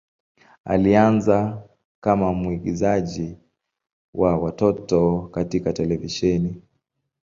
Alianza kama mwigizaji wa watoto katika televisheni.